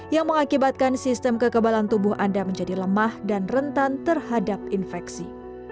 yang mengakibatkan sistem kekebalan tubuh anda menjadi lemah dan rentan terhadap infeksi